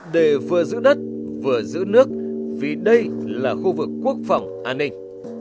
để vừa giữ đất vừa giữ nước vì đây là khu vực quốc phòng an ninh